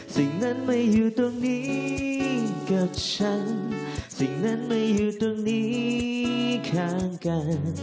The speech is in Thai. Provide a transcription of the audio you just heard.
สิ่งนั้นไม่อยู่ตรงนี้กับฉันสิ่งนั้นไม่อยู่ตรงนี้ข้างกัน